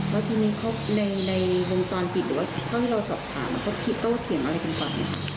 แล้วทีนี้เขาในวงจรผิดหรือว่าที่เราสอบถามเขาเที่ยงอะไรกันก่อนเนี่ย